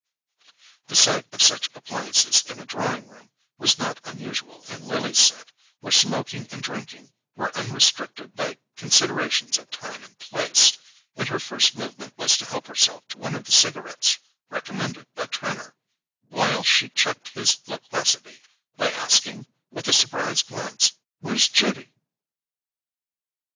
The sight of such appliances in a drawing room was not unusual in Lily's set, where smoking and drinking were unrestricted by considerations of time and place, and her first movement was to help herself to one of the cigarettes recommended by Trenor, while she checked his loquacity by asking, with a surprised glance: "Where's Judy?"